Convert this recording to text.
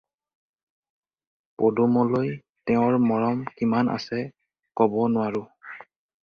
পদুমলৈ তেওঁৰ মৰম কিমান আছে ক'ব নোৱাৰোঁ।